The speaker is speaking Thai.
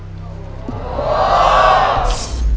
โอ้โห